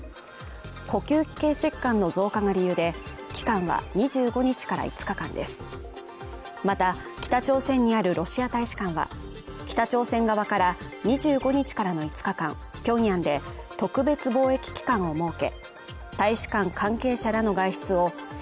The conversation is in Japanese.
呼吸器系疾患の増加が理由で期間は２５日から５日間ですまた北朝鮮にあるロシア大使館は北朝鮮側から２５日からの５日間ピョンヤンで特別防疫期間を設け